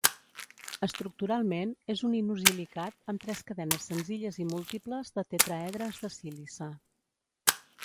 Estructuralment és un inosilicat amb tres cadenes senzilles i múltiples de tetraedres de sílice.